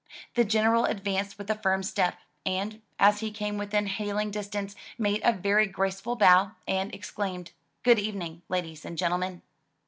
The General advanced with a firm step, and, as he came within hailing distance, made a very graceful bow, and ex claimed: "Good evening, ladies and gentlemen!'